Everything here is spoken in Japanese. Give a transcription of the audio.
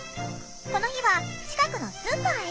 この日は近くのスーパーへ。